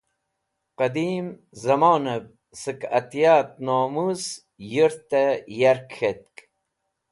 Qẽdim zẽmonav sẽk atyat nomus yũrtẽ yark k̃hetk.